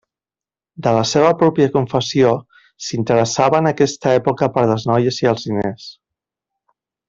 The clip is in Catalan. De la seva pròpia confessió, s'interessava en aquesta època per les noies i els diners.